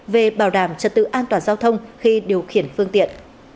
về bảo đảm trật tự an toàn giao thông khi điều khiển phương tiện